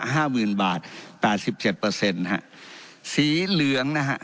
ห้าหมื่นบาทแปดสิบเจ็ดเปอร์เซ็นต์ฮะสีเหลืองนะฮะ